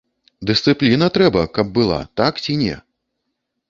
Дысцыпліна трэба, каб была, так ці не?